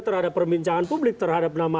terhadap perbincangan publik terhadap nama